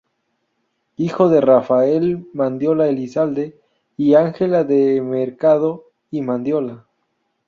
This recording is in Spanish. Hijo de Rafael Mandiola Elizalde y Angela de Mercado y Mandiola.